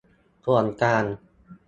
ส่วนกลาง